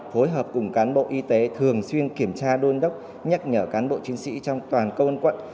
phối hợp cùng cán bộ y tế thường xuyên kiểm tra đôn đốc nhắc nhở cán bộ chiến sĩ trong toàn công an quận